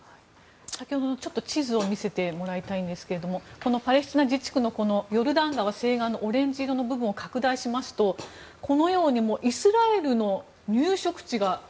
先ほどの地図を見せてもらいたいんですがパレスチナ自治区のヨルダン川西岸のオレンジ色の部分を拡大しますと、このようにイスラエルの入植地が。